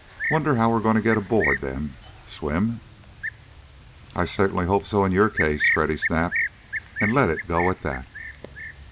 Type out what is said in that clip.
Wonder how we're going to get aboard them? Swim?" "I certainly hope so in your case!" Freddy snapped, and let it go at that.